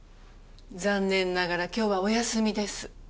残念ながら今日はお休みです。